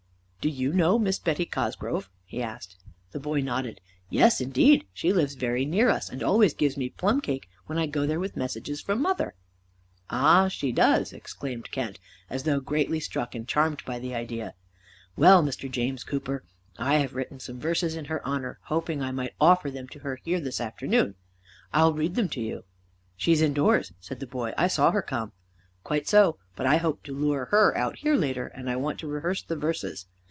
"Do you know Miss Betty Cosgrove?" he asked. The boy nodded. "Yes, indeed. She lives very near us, and always gives me plum cake when I go there with messages from mother." "Ah, she does!" exclaimed Kent, as though greatly struck and charmed by the idea. "Well, Mr. James Cooper, I have written some verses in her honor, hoping I might offer them to her here this afternoon. I'll read them to you." "She's indoors," said the boy. "I saw her come." "Quite so. But I hope to lure her out here later, and I want to rehearse the verses.